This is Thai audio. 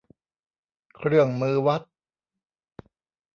เครื่องมือวัด